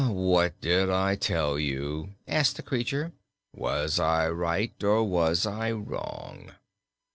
"What did I tell you?" asked the creature. "Was I right, or was I wrong?"